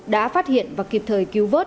đã phát hiện và kịp thời cứu vớt